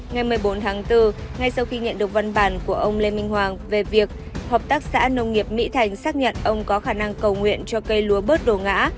ngày một mươi bốn tháng bốn ngay sau khi nhận được văn bản của ông lê minh hoàng về việc hợp tác xã nông nghiệp mỹ thành xác nhận ông có khả năng cầu nguyện cho cây lúa bớt đồ ngã